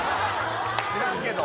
知らんけど。